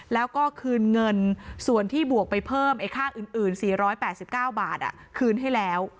แล้วก็คืนเงินส่วนที่บวกไปเพิ่มไอ้ค่าอื่น๔๘๙บาทคืนให้แล้ว